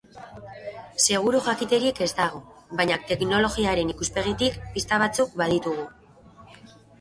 Seguru jakiterik ez dago, baina teknologiaren ikuspegitik pista batzuk baditugu.